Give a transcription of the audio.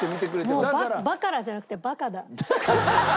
もうバカラじゃなくてバカダ。